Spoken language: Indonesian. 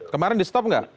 kemarin di stop nggak